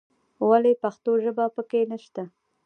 ولې پښتو ژبه په کې نه شته.